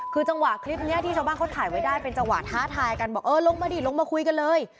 คือจังหวะคลิปนี้ที่ชาวบ้านเขาถ่ายไว้ได้เป็นจังหวะท้าทายกันบอกเออลงมาดิลงมาคุยกันเลย